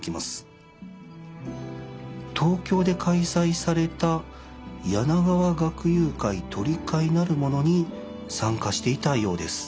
東京で開催された柳河學友會鷄會なるものに参加していたようです。